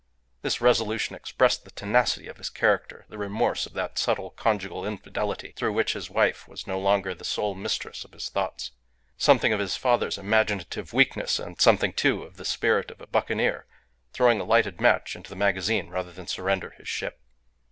This resolution expressed the tenacity of his character, the remorse of that subtle conjugal infidelity through which his wife was no longer the sole mistress of his thoughts, something of his father's imaginative weakness, and something, too, of the spirit of a buccaneer throwing a lighted match into the magazine rather than surrender his ship.